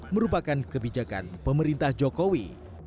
merupakan kebijakan pemerintah jokowi